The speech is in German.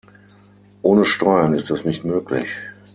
Ohne Steuern ist das nicht möglich.